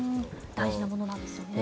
大事なものなんですね。